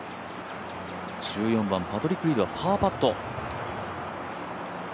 １４番、パトリック・リードはパーパット。